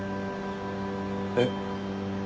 えっ？